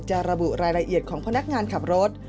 ระบุรายละเอียดของพนักงานขับรถ